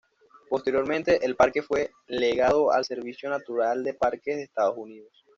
Posteriormente, el parque fue legado al Servicio Natural de Parques de Estados Unidos.